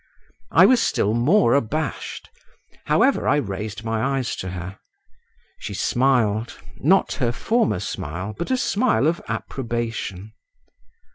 I was still more abashed; however, I raised my eyes to her. She smiled, not her former smile, but a smile of approbation.